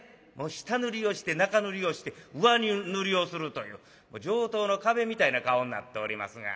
下塗りをして中塗りをして上塗りをするという上等の壁みたいな顔になっておりますが。